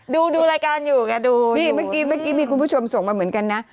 ดูดูรายการอยู่ค่ะดูนี่ปะที่มีคุณผู้ชมส่งมาเหมือนกันนะ